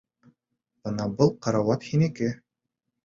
Бына был карауат һинеке.